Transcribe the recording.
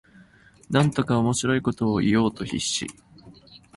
なんとか面白いことを言おうと必死